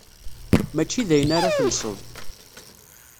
Mačči d ayen ara telseḍ.